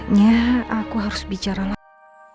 ya aku harus bicara lagi